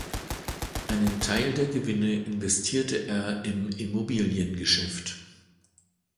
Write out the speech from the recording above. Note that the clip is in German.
Einen Teil der Gewinne investierte er im Immobiliengeschäft.